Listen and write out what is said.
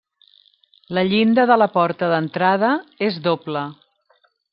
La llinda de la porta d'entrada és doble.